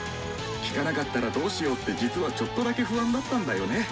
きかなかったらどうしようって実はちょっとだけ不安だったんだよね。